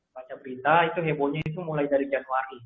baca berita itu hebohnya itu mulai dari januari dua ribu dua puluh dua